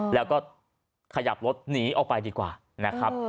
แล้วก็ขยับรถหนีออกไปดีกว่านะครับ